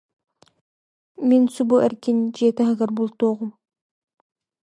Мин субу эргин, дьиэм таһыгар бултуоҕум